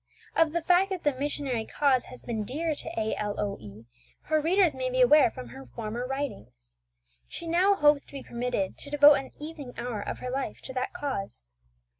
Of the fact that the missionary cause has been dear to A. L. O. E. her readers may be aware from her former writings. She now hopes to be permitted to devote an evening hour of her life to that cause.